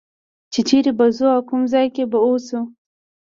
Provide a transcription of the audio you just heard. چې چېرې به ځو او کوم ځای کې به اوسو.